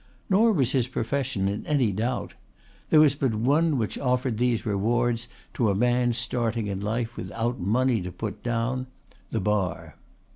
Nor was his profession in any doubt. There was but one which offered these rewards to a man starting in life without money to put down the Bar.